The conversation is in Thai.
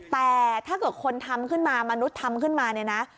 แต่ถ้าเกิดคนทำขึ้นมามนุษย์ทำขึ้นมาเนี่ยนะ